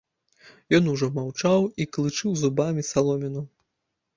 Ён ужо маўчаў і клычыў зубамі саломіну.